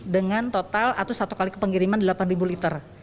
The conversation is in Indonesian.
dengan total atau satu kali kepenggiriman delapan liter